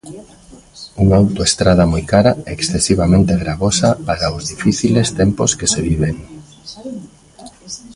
Unha autoestrada moi cara, excesivamente gravosa para os difíciles tempos que se viven.